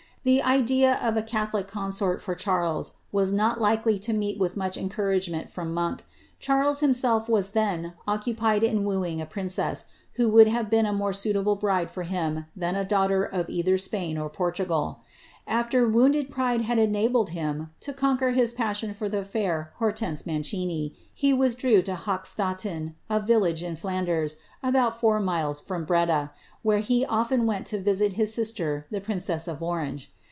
The idea of a catholic consort for Charles was Lely to meet with much encouragement from Monk — Charles him as then occupied in wooing a princess, who would have been a luitable bride for him than a daughter of either Spain or Portugal, ivounded pride had enabled him to conquer his passion for the Drtense Mancini, he withdrew to Hochstatin, a village in Flanders, four miles from Breda, where he often went to visit his sister the B8 of Orange.